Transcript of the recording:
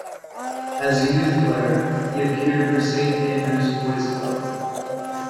As a youth player, he appeared for Saint Andrew's Boys' Club.